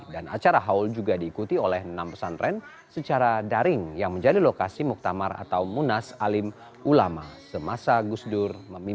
pembacaan tahlil dipimpin khatib am pbnu gaihaji ahmad said asrori